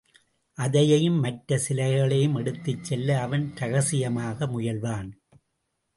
அதையும் மற்ற சிலைகளையும் எடுத்துச்செல்ல அவன் ரகசியமாக முயல்வான்.